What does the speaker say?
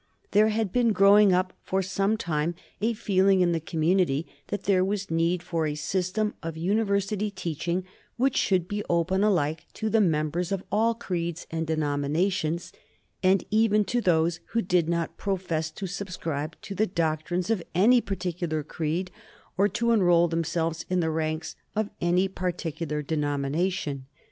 There had been growing up, for some time, a feeling in the community that there was need for a system of university teaching which should be open alike to the members of all creeds and denominations, and even to those who did not profess to subscribe to the doctrines of any particular creed, or to enroll themselves in the ranks of any particular denomination.